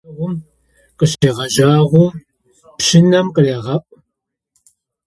Пщаукъо Ахьмэд икӏэлэгъум къыщегъэжьагъэу пщынэм къырегъаӏо.